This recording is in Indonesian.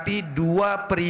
itu sudah diperhatikan